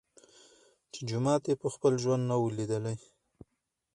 چي جومات یې په خپل ژوند نه وو لیدلی